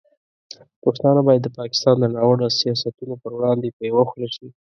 پښتانه باید د پاکستان د ناوړه سیاستونو پر وړاندې په یوه خوله شي.